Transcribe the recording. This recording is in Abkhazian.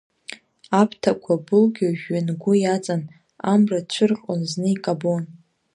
Аԥҭақәа былгьо жәҩангәы иаҵан, Амра цәырҟьон, зны икабон.